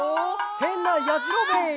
へんなやじろべえ」